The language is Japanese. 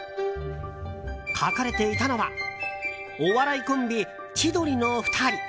描かれていたのはお笑いコンビ千鳥の２人。